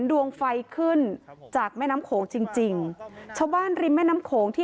ดวงไฟขึ้นจากแม่น้ำโขงจริงจริงชาวบ้านริมแม่น้ำโขงที่